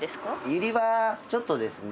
ユリはちょっとですね